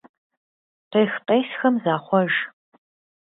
Къех-къесхэм захъуэж.